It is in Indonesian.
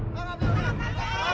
tangan jangan jangan